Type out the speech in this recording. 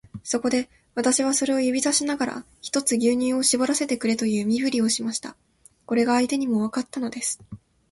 そこで、私はそれを指さしながら、ひとつ牛乳をしぼらせてくれという身振りをしました。これが相手にもわかったのです。